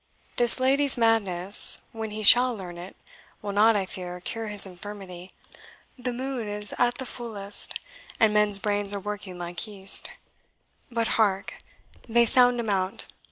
This lady's madness, when he shall learn it, will not, I fear, cure his infirmity. The moon is at the fullest, and men's brains are working like yeast. But hark! they sound to mount.